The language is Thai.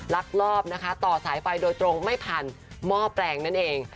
ลักลอบนะคะต่อสายไฟโดยตรงไม่ผ่านหม้อแปลงนั่นเอง